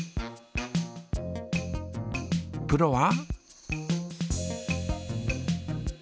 プロは？